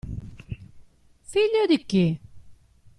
Figlio di chi?